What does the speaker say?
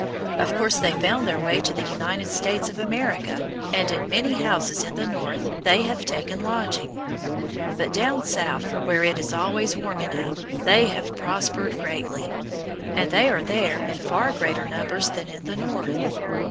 Of course they found their way to the United States of America, and in many houses in the North they have taken lodging. But down South, where it is always warm enough, they have prospered greatly, and they are there in far greater numbers than in the North.